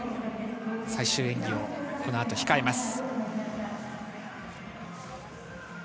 最終演技をこのあと控えます。